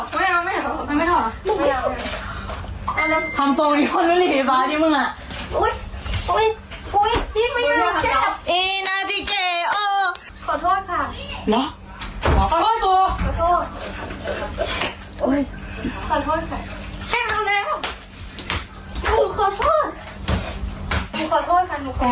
ขอโทษขอตัวแรงกับมึงทำไมกูสู้มึง